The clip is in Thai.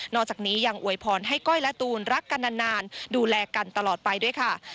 อกจากนี้ยังอวยพรให้ก้อยและตูนรักกันนานดูแลกันตลอดไปด้วยค่ะ